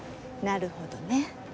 なるほどね。